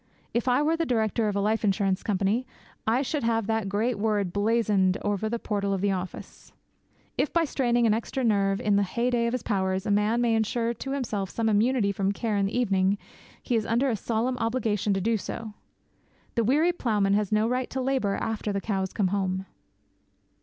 If I were the director of a life insurance company, I should have that great word blazoned over the portal of the office. If, by straining an extra nerve in the heyday of his powers, a man may ensure to himself some immunity from care in the evening, he is under a solemn obligation to do so. The weary ploughman has no right to labour after the cows come home.